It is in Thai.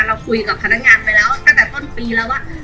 เราคุยกับพนักงานไปแล้วตั้งแต่ต้นปีแล้วว่า